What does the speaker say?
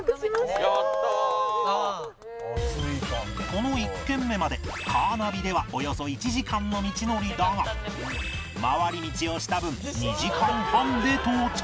この１軒目までカーナビではおよそ１時間の道のりだが回り道をした分２時間半で到着